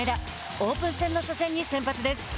オープン戦の初戦に先発です。